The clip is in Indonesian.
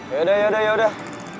yaudah yaudah yaudah